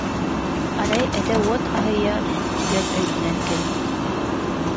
Арай этэ уот аһыйа түспүтүгэр өйдөнөн кэлбит